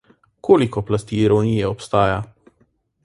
Koliko plasti ironije obstaja?